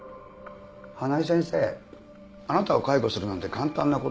花井先生あなたを解雇するなんて簡単な事です。